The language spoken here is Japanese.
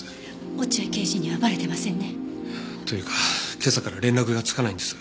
落合刑事にはバレてませんね？というか今朝から連絡がつかないんです。